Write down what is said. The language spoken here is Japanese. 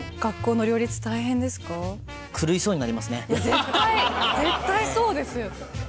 絶対絶対そうです。